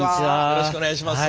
よろしくお願いします。